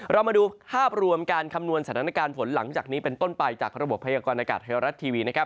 เรามาดูภาพรวมการคำนวณสถานการณ์ฝนหลังจากนี้เป็นต้นไปจากระบบพยากรณากาศไทยรัฐทีวีนะครับ